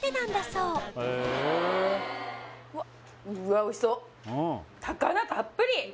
うわっおいしそう高菜たっぷり！